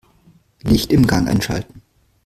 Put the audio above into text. Licht im Gang einschalten.